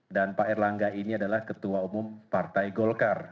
dan pak erlangga ini adalah ketua umum partai golkar